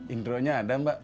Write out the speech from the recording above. intro nya ada mbak